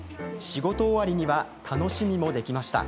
仕事終わりには楽しみもできました。